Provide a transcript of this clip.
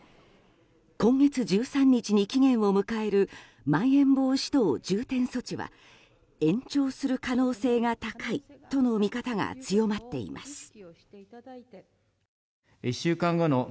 今月１３日に期限を迎えるまん延防止等重点措置は延長する可能性が高いとの見方が強まっています。